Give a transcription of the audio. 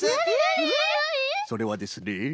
それはですね。